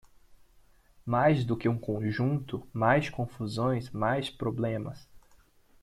Mais do que um conjunto, mais confusões, mais problemas.